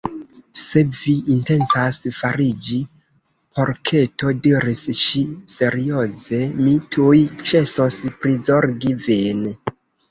"Se vi intencas fariĝi porketo," diris ŝi serioze, "mi tuj ĉesos prizorgi vin!"